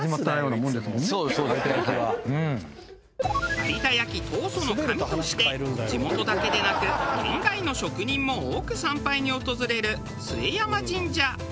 有田焼陶祖の神として地元だけでなく県外の職人も多く参拝に訪れる陶山神社。